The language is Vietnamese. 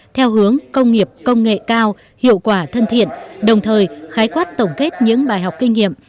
theo hướng công nghiệp công nghệ cao hiệu quả thân thiện đồng thời khái quát tổng kết những bài học kinh nghiệm